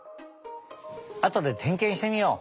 あとでてんけんしてみよう！